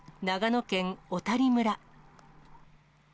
長野県小谷村。